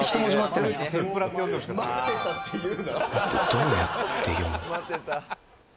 「どうやって読むの？」